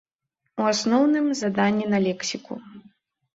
У асноўным, заданні на лексіку.